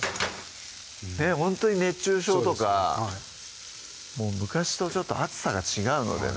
ほんとに熱中症とか昔とちょっと暑さが違うのでね